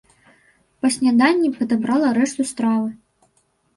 Па сняданні падабрала рэшту стравы.